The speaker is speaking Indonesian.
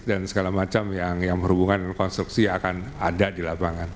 dan segala macam yang berhubungan dengan konstruksi akan ada di lapangan